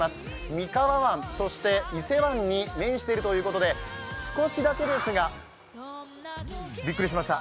三河湾、そして伊勢湾に面しているということで少しだけですがびっくりしました、